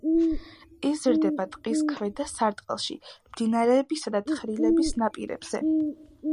იზრდება ტყის ქვედა სარტყელში, მდინარეებისა და თხრილების ნაპირებზე.